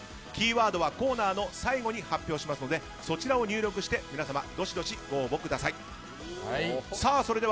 キーワードはコーナーの最後に発表しますのでそちらを入力してどしどしご応募してください。